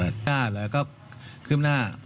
หน้าแล้วก็ขึ้นหน้า